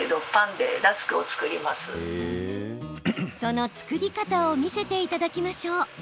その作り方を見せていただきましょう。